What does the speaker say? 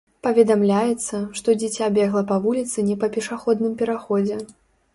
Паведамляецца, што дзіця бегла па вуліцы не па пешаходным пераходзе.